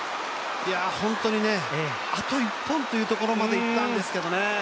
本当にね、あと１本というところまでいったんですけどね。